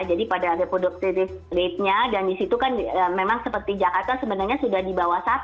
jadi pada reproductive rate nya dan di situ kan memang seperti jakarta sebenarnya sudah di bawah satu